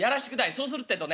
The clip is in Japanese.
そうするってえとね